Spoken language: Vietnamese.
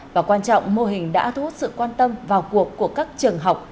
và quan trọng mô hình đã thu hút sự quan tâm vào cuộc của các trường học